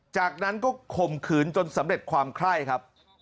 จากนั้นก็ข่มขืนจนสำเร็จความไคร่ครับ